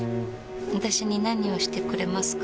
私に何をしてくれますか？